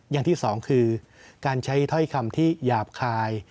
อย่างที่สองคือการใช้ถ้อยคำที่หยาบคาย